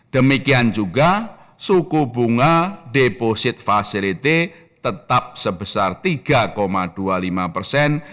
demikian juga suku bunga deposit facility tetap sebesar tiga dua puluh lima persen